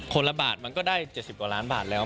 ละบาทมันก็ได้๗๐กว่าล้านบาทแล้ว